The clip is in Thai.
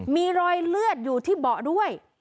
มีรอยเลือดอยู่ที่เบาะด้วย